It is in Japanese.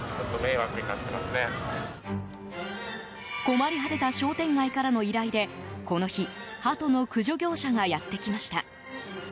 困り果てた商店街からの依頼でこの日、ハトの駆除業者がやってきました。